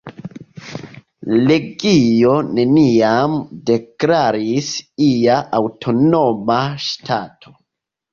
Legio neniam deklaris ia aŭtonoma ŝtato.